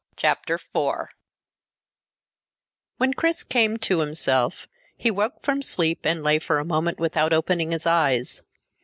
CHAPTER 4 When Chris came to himself he woke from sleep and lay for a moment without opening his eyes.